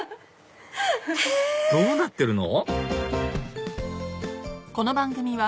どうなってるの？